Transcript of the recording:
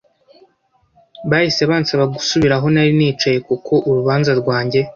Bahise bansaba gusubira aho nari nicaye kuko urubanza rwanjye